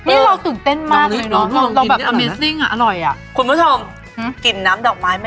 อืออื้มนี่เราตื่นเต้นมากเลยเนอะ